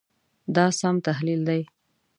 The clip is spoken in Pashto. دا سم تحلیل دی.